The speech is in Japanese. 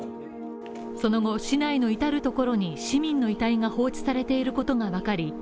その後、市内の至る所に市民の遺体が放置されていることが分かり